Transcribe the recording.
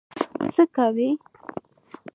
څه کوې؟